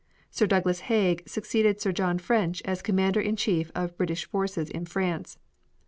Sir Douglas Haig succeeded Sir John French as Commander in Chief of British forces in France.